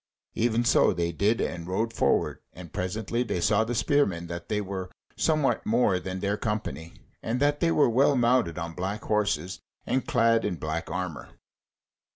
Even so they did, and rode forward, and presently they saw the spearmen that they were somewhat more than their company, and that they were well mounted on black horses and clad in black armour.